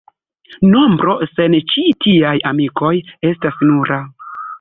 Nombro sen ĉi tiaj amikoj estas nura.